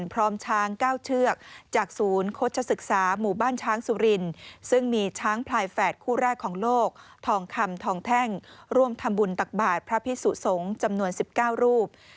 พร้อมช้าง๙เชือกจากศูนย์โฆษศึกษาหมู่บ้านช้างสุรินซึ่งมีช้างพลายแฝดคู่แรกของโลกทองคำทองแท่งร่วมทำบุญตักบาทพระพิสุสงฆ์จำนวน๑๙รูป